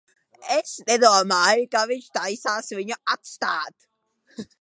Es nedomāju, ka viņš taisās viņu atstāt.